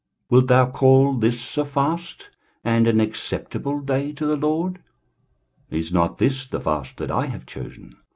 wilt thou call this a fast, and an acceptable day to the LORD? 23:058:006 Is not this the fast that I have chosen?